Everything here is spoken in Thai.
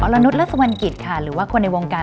อรณุษย์และสวรรคิตค่ะหรือว่าคนในวงการ